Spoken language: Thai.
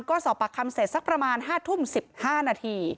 ก็สอบปากคำเสร็จสักประมาณ๕ทุ่ม๑๕นาที